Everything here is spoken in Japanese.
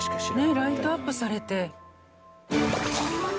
ねえライトアップされて。